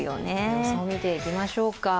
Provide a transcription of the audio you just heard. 予想、見ていきましょうか。